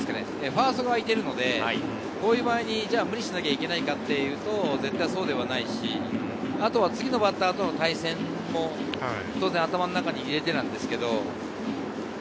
ファーストが空いているのでこういう場合に無理しなきゃいけないかというと、そうではないし、次のバッターとの対戦も頭の中に入れてなんですけど。